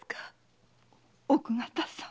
奥方様。